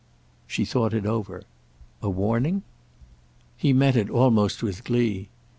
She thought it over. "A warning?" He met it almost with glee.